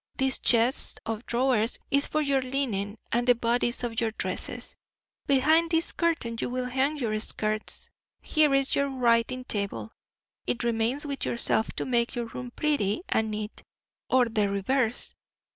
This chest of drawers is for your linen and the bodice of your dresses. Behind this curtain you will hang your skirts. Here is your writing table. It remains with yourself to make your room pretty and neat, or the reverse.